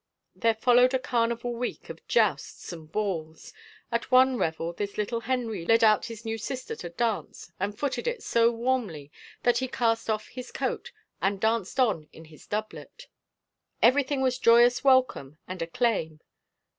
There followed a carnival week of jousts and balls; at one revel this little Henry led out his new sister to dance and footed it so warmly that he cast off his coat and danced on in his doublet. Everything was joyous welcome and acclaim.